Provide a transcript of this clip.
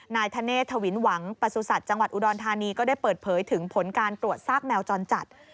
นายธเนธถวินหวังประสุทธิ์จังหวัดอุดรธานีก็ได้เปิดเผยถึงผลการตรวจซากแมวจรจัด